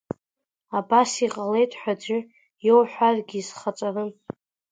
Абас иҟалеит ҳәа аӡәы иоуҳәаргьы изхаҵарым!